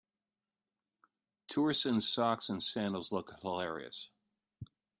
Tourists in socks and sandals look hilarious.